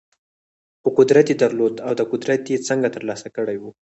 خو قدرت يې درلود او دا قدرت يې څنګه ترلاسه کړی و؟